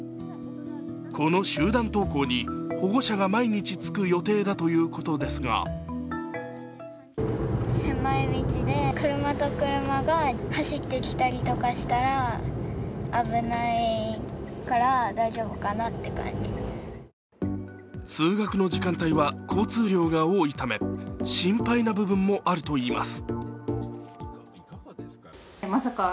この集団登校に保護者が毎日つく予定だということですが通学の時間帯は交通量が多いため心配な部分もあるといいます。